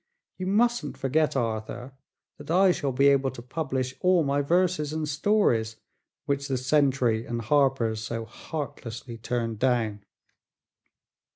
You mustn't forget, Arthur, that I shall be able to publish all my verses and stories, which the Century and Harpers' so heartlessly turned down."